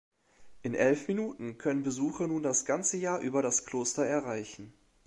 In elf Minuten können Besucher nun das ganze Jahr über das Kloster erreichen.